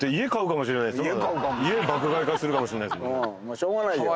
しょうがないよ。